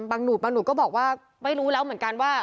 หนูบางหนูก็บอกว่าไม่รู้แล้วเหมือนกันว่า